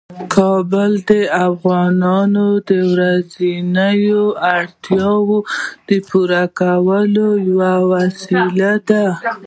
کابل د افغانانو د ورځنیو اړتیاوو د پوره کولو یوه وسیله ده.